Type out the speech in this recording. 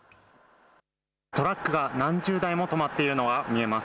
トラックが何十台も止まっているのが見えます。